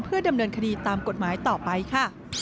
ดำเนินคดีตามกฎหมายต่อไปค่ะ